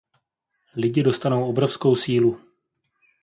Lidi dostanou obrovskou sílu.